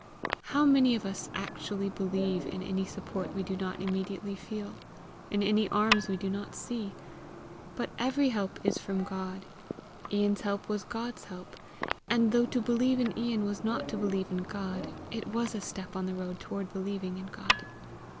How many of us actually believe in any support we do not immediately feel? in any arms we do not see? But every help I from God; Ian's help was God's help; and though to believe in Ian was not to believe in God, it was a step on the road toward believing in God.